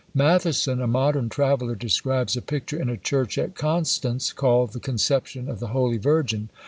Matthison, a modern traveller, describes a picture in a church at Constance, called the Conception of the Holy Virgin.